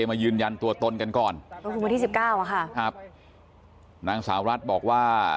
มายืนยันตัวตนกันก่อนวันที่๑๙ค่ะนางสาวรัฐบอกว่า